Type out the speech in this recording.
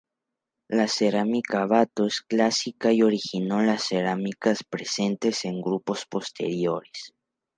La cerámica Bato es clásica y originó las cerámicas presentes en grupos posteriores.